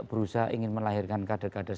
berusaha ingin melahirkan kader kader